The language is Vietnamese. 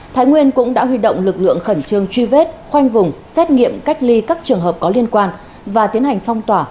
thái nguyên cũng đã huy động lực lượng khẩn trương truy vết khoanh vùng xét nghiệm cách ly các trường hợp có liên quan và tiến hành phong tỏa